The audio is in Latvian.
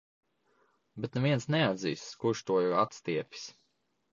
Bet neviens neatzīstas, kurš to ir atstiepis.